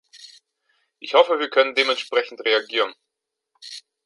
Ich hoffe, wir können dementsprechend reagieren.